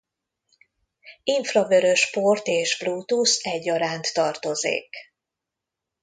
Infravörös port és Bluetooth egyaránt tartozék.